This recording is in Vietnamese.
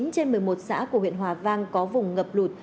chín trên một mươi một xã của huyện hòa vang có vùng ngập lụt